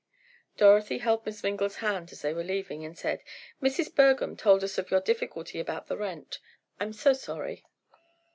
Dorothy held Miss Mingle's hand as they were leaving and said: "Mrs. Bergham told us of your difficulty about the rent. I'm so sorry."